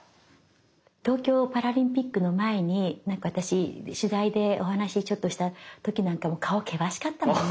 東京パラリンピックの前に何か私取材でお話ちょっとした時なんかも顔険しかったもんね。